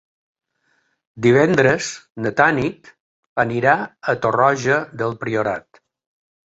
Divendres na Tanit anirà a Torroja del Priorat.